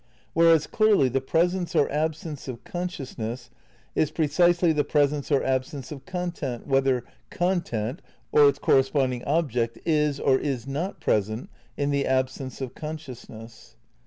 Whereas, clearly, the pres ence or absence of consciousness is precisely the pres ence or absence of content, whether "content" (or its corresponding "object") is or is not present in the absence of consciousness.